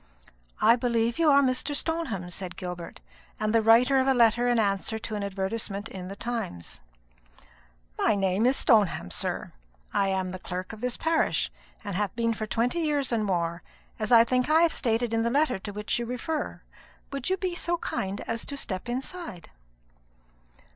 "I believe you are Mr. Stoneham," said Gilbert, "and the writer of a letter in answer to an advertisement in the Times." "My name is Stoneham, sir; I am the clerk of this parish, and have been for twenty years and more, as I think I may have stated in the letter to which you refer. Will you be so kind as to step inside?"